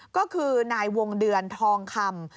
ก็คือนายวงเดือนทองคำ